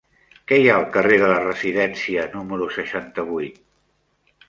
Què hi ha al carrer de la Residència número seixanta-vuit?